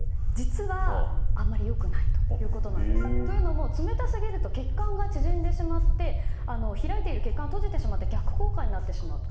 実は、あまり良くないということなんです。というのも冷たすぎると血管が縮んでしまって開いている血管が閉じてしまって逆効果になってしまうと。